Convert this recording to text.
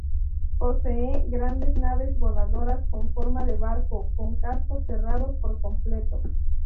Posee grandes naves voladoras con forma de barco, con cascos cerrados por completo.